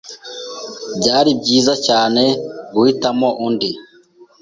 Byari byiza cyane guhitamo undi.